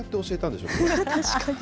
確かに。